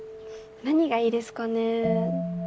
何がいいですかね？